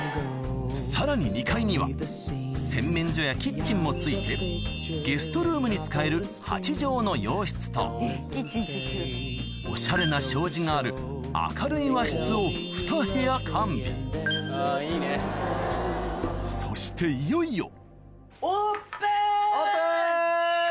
さらに２階には洗面所やキッチンも付いてゲストルームに使えるおしゃれな障子がある明るい和室をふた部屋完備そしていよいよおぉ！